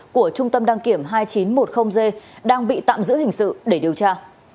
của trung tâm đăng kiểm hai nghìn chín trăm một mươi g đang bị tạm giữ hình sự để điều tra